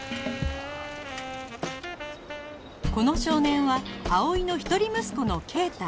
この少年は葵の一人息子の圭太